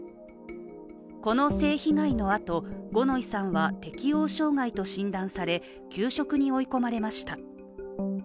この性被害のあと、五ノ井さんは適応障害と診断され休職に追い込まれました。